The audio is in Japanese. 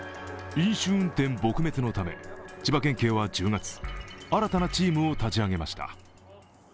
飲酒運転撲滅のため千葉県警は１０月新たなチームを立ち上げました。